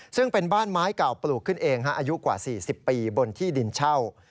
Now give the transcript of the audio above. ซึ่งเป็นบ้านไม้เก่าปลูกขึ้นเองอายุกว่า๔๐ปีบนที่ดินเช่า